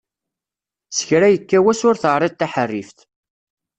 S kra yekka wass ur teɛriḍ taḥerrift.